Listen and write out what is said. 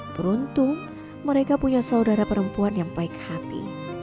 beruntung mereka punya saudara perempuan yang baik hati